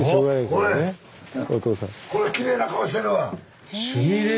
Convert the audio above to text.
これきれいな顔してるわ。